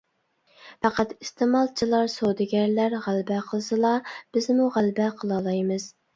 پەقەت ئىستېمالچىلار، سودىگەرلەر غەلىبە قىلسىلا، بىزمۇ غەلىبە قىلالايمىز.